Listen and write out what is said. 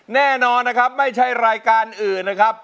แน่นอนนะครับไม่ใช่รายการอื่นนะครับ